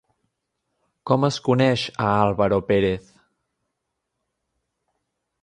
Com es coneix a Álvaro Pérez?